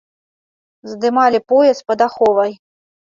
Здымалі пояс пад аховай!